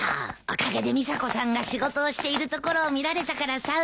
おかげで美砂子さんが仕事をしているところを見られたからさ。